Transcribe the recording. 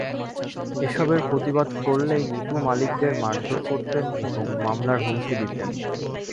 এসবের প্রতিবাদ করলেই নিপু মালিকদের মারধর করতেন এবং মামলার হুমকি দিতেন।